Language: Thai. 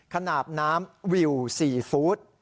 ขนาดน้ำวิว๔ฟุต